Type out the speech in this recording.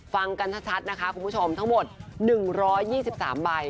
ฟังกันชัดนะคะคุณผู้ชมทั้งหมด๑๒๓ใบ